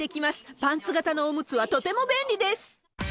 パンツ型のおむつはとても便利です。